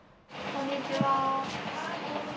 こんにちは。